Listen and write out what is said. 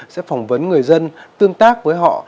sẽ phỏng vấn người dân tương tác với họ